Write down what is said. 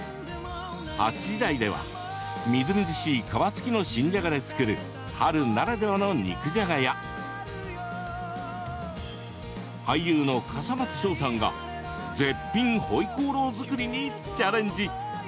８時台では、みずみずしい皮付きの新じゃがで作る春ならではの肉じゃがや俳優の笠松将さんが絶品ホイコーロー作りにチャレンジ。